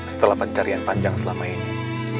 setelah pencarian panjang selama ini